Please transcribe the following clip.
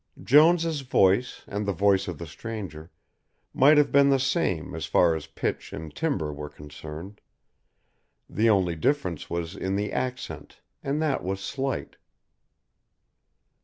Jones' voice and the voice of the stranger might have been the same as far as pitch and timbre were concerned, the only difference was in the accent, and that was slight.